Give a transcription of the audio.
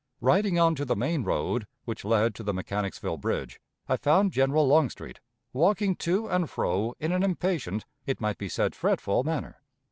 Riding on to the main road which led to the Mechanicsville Bridge, I found General Longstreet, walking to and fro in an impatient, it might be said fretful, manner.